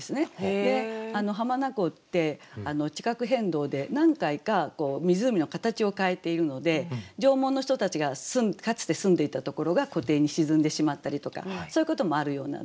で浜名湖って地殻変動で何回か湖の形を変えているので縄文の人たちがかつて住んでいたところが湖底に沈んでしまったりとかそういうこともあるようなんですね。